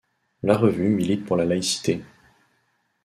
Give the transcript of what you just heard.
La revue milite pour la laïcité.